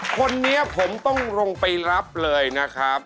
คนนี้ผมต้องลงไปรับเลยนะครับ